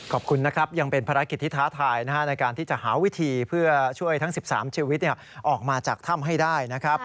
ขอบคุณนะครับยังเป็นภารกิจที่ท้าทายในการที่จะหาวิธีเพื่อช่วยทั้ง๑๓ชีวิตออกมาจากถ้ำให้ได้นะครับ